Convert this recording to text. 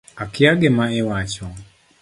Akia gima iwacho